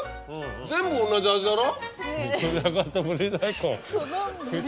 全部同じ味だろ。